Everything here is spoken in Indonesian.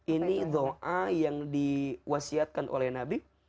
ini doa yang diwasiatkan oleh nabi